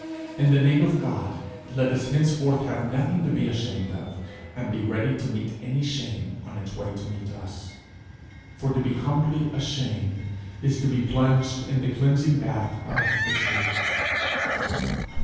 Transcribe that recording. In the name of God let us henceforth have nothing to be ashamed of, and be ready to meet any shame on its way to meet us. For to be humbly ashamed is to be plunged in the cleansing bath of the truth.